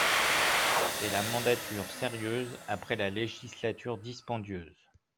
C’est la mandature sérieuse après la législature dispendieuse